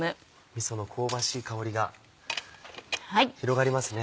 みその香ばしい香りが広がりますね。